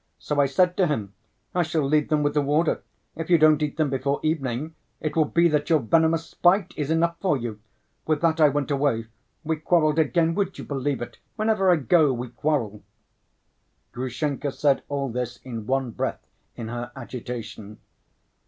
So I said to him: 'I shall leave them with the warder; if you don't eat them before evening, it will be that your venomous spite is enough for you!' With that I went away. We quarreled again, would you believe it? Whenever I go we quarrel." Grushenka said all this in one breath in her agitation.